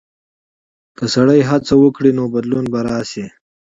که سړی هڅه وکړي، نو بدلون به راشي.